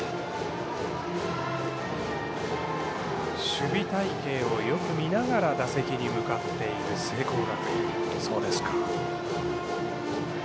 守備隊形をよく見ながら打席に向かっている聖光学院。